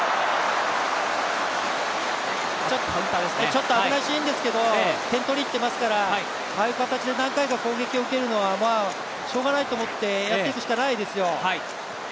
ちょっと危ないシーンですけど、点取りに行っていますから、ああいう形で何回か攻撃を受けるのはしようがないと思ってやっていくしかないですよ。